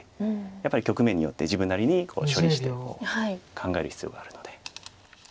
やっぱり局面によって自分なりに処理して考える必要があるので。